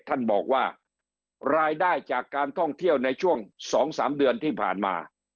ท่านบอกว่ารายได้จากการท่องเที่ยวในช่วง๒๓เดือนที่ผ่านมา